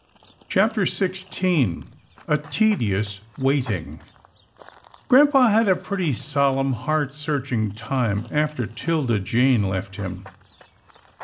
CHAPTER XVI A TEDIOUS WAITING Gram PA had a pretty solemn, heart searching time after 'Tilda Jane left him.